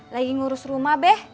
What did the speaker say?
lagi ngurus rumah be